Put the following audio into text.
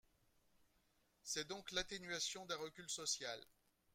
C’est donc l’atténuation d’un recul social.